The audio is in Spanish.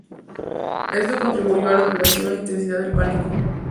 Esto contribuyó a la duración e intensidad del pánico.